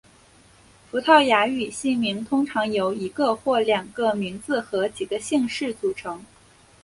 葡萄牙语姓名通常由一个或两个名字和几个姓氏组成。